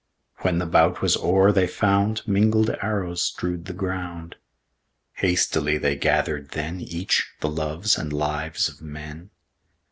When the bout was o'er they found Mingled arrows strewed the ground. Hastily they gathered then Each the loves and lives of men.